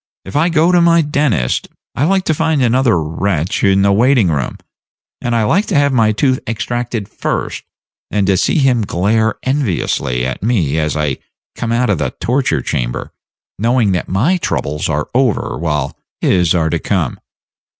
If I go to my dentist, I like to find another wretch in the waiting room; and I like to have my tooth extracted first, and to see him glare enviously at me as I come out of the torture chamber, knowing that my troubles are over, while his are to come.